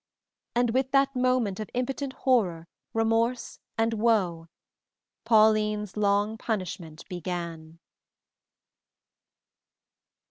And with that moment of impotent horror, remorse, and woe, Pauline's long punishment began.